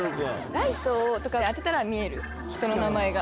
ライトとか当てたら見える人の名前が。